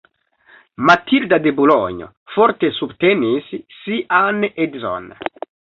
Matilda de Bulonjo forte subtenis sian edzon.